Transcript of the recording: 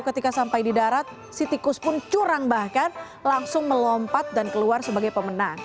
ketika sampai di darat si tikus pun curang bahkan langsung melompat dan keluar sebagai pemenang